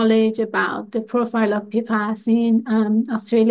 pengetahuan tentang profil pfas di pasar australia